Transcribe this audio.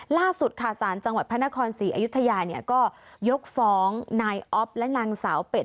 ล่าสุดค่ะสารจังหวัดพระนครศรีอยุธยาเนี่ยก็ยกฟ้องนายอ๊อฟและนางสาวเป็ด